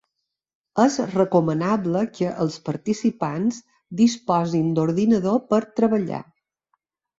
És recomanable que els participants disposin d'ordinador per treballar.